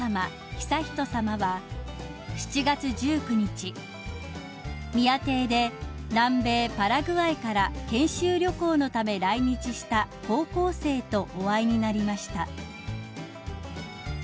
悠仁さまは７月１９日宮邸で南米パラグアイから研修旅行のため来日した高校生とお会いになりました］